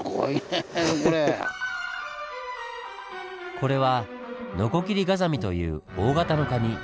これは「ノコギリガザミ」という大型のカニ。